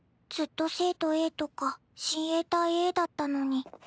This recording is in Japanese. ずっと生徒Ａとか親衛隊Ａだったのに。